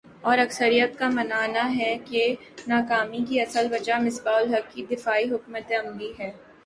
اور اکثریت کا ماننا ہے کہ ناکامی کی اصل وجہ مصباح الحق کی دفاعی حکمت عملی ہے